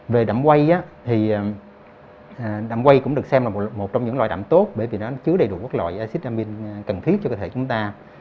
về đậm quay thì đậm quay cũng được xem là một trong những loại đậm tốt bởi vì nó chứa đầy đủ các loại xít amin cần thiết cho cơ thể chúng ta